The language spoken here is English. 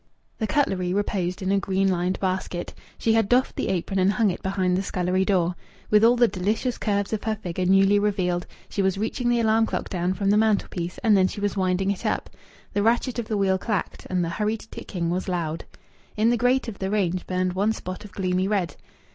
The cutlery reposed in a green lined basket. She had doffed the apron and hung it behind the scullery door. With all the delicious curves of her figure newly revealed, she was reaching the alarm clock down from the mantelpiece, and then she was winding it up. The ratchet of the wheel clacked, and the hurried ticking was loud. In the grate of the range burned one spot of gloomy red.